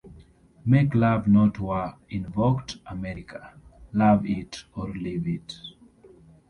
"Make love not war" invoked "America, love it or leave it.